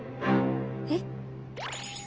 えっ！？